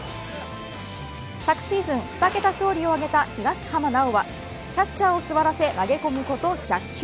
昨シーズン２桁勝利を挙げた東浜巨はキャッチャーを座らせ投げ込むこと１００球。